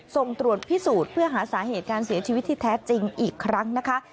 ส่งตรวจพิสูจน์เพื่อหาสาเหตุการเสียชีวิตที่แท้จริงอีกครั้งนะคะ